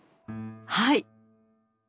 はい！